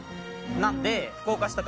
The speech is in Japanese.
なんで。